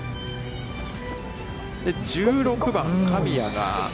１６番神谷が。